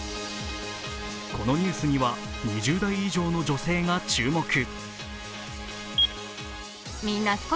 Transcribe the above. このニュースには２０代以上の女性が注目。